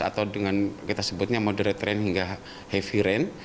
atau dengan kita sebutnya moderate rain hingga heavy rain